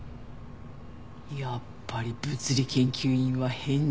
やっぱり物理研究員は変人説。